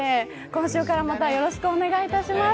今週からまた、よろしくお願いいたします。